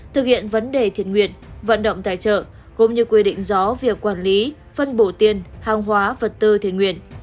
thực hiện vấn đề thiện nguyện vận động tài trợ cũng như quy định rõ việc quản lý phân bổ tiền hàng hóa vật tư thiện nguyện